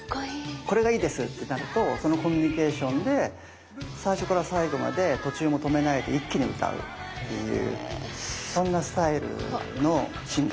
「これがいいです」ってなるとそのコミュニケーションで最初から最後まで途中も止めないで一気に歌うっていうそんなスタイルのシンガーでしたね。